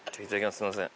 すいません。